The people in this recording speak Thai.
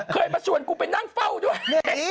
เคยมาชวนกูไปนั่งเฝ้าด้วย